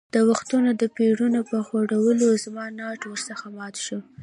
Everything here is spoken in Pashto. د وختونو د پېرونو په خوړلو زما ناټ ور څخه مات شو.